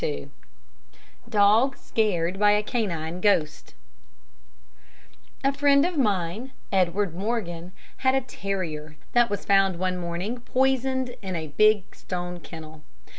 A Dog scared by a Canine Ghost A friend of mine, Edward Morgan, had a terrier that was found one morning, poisoned in a big stone kennel.